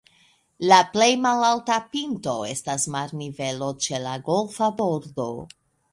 La plej malalta pinto estas marnivelo ĉe la golfa bordo.